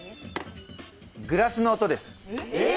グラスの音です。